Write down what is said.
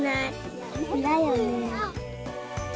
だよね。